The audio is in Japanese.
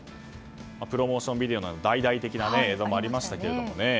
プロモーションビデオなど大々的な映像もありましたね。